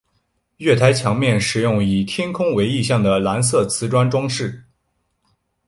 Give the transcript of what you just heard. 月台墙面使用以天空为意象的蓝色磁砖装饰。